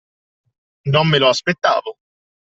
Non me lo aspettavo.